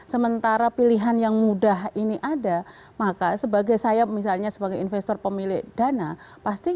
sementara pilihan yang mudah ini ada maka sebagai saya misalnya sebagai investor pemilik dana pasti